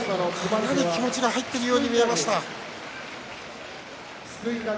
かなり気持ちが入っているように見えました。